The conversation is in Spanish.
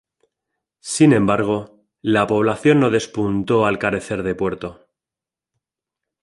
Sin embargo, la población no despuntó al carecer de puerto.